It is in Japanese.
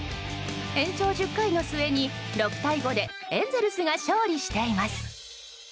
延長１０回の末に６対５でエンゼルスが勝利しています。